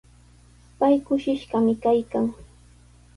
Pay kushishqami kaykan.